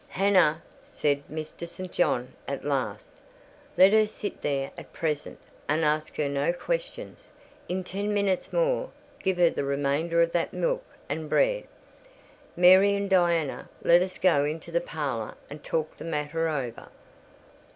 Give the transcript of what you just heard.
"Hannah," said Mr. St. John, at last, "let her sit there at present, and ask her no questions; in ten minutes more, give her the remainder of that milk and bread. Mary and Diana, let us go into the parlour and talk the matter over."